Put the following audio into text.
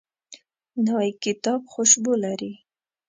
نوی کتاب خوشبو لري